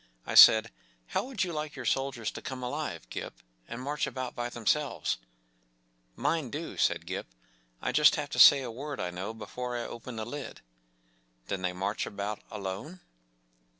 I said, “How would'you like your soldiers to come alive, Gip, and march about by themselves ? ” “ Mine do,” said Gip. “ I just have to say a word I know before I open the lid.” “ Then they march about alone